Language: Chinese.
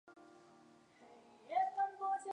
这在系统工程和软体工程中是一个共同的角色。